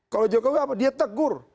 kalau jokowi apa dia tegur